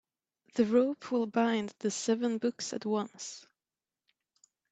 The rope will bind the seven books at once.